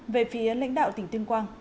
về phía lãnh đạo tỉnh tuyên quang